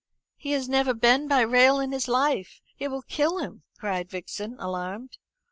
"He has never been by rail in his life. It will kill him!" cried Vixen, alarmed.